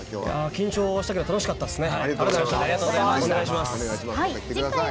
緊張したけど楽しかったですね。